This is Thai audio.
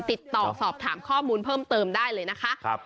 ติดต่อสอบถามข้อมูลเพิ่มเติมได้เลยนะคะ